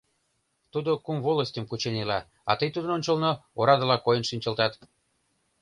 Тудо кум волостьым кучен ила, а тый тудын ончылно орадыла койын шинчылтат...